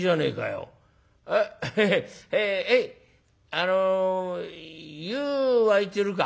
「あの湯沸いてるか？」。